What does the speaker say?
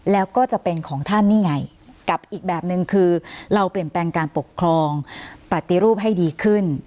แล้วก็จะเป็นของท่านนี่ไงกับอีกแบบนึงคือเราเปลี่ยนแปลงการปกครองปฏิรูปให้ดีขึ้น